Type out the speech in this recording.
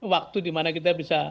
waktu dimana kita bisa